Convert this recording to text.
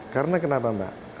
karena kenapa mbak